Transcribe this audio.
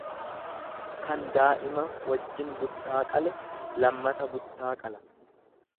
Kan daa'ima wajjin buttaa qale lammata buttaa qala.